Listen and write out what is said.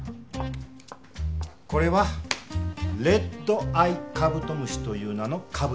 これはレッドアイカブトムシという名のカブトムシです。